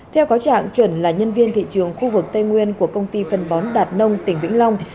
theo cáo trạng chuẩn là nhân viên thị trường khu vực tây nguyên của công ty phân bón đạt nông tỉnh vĩnh long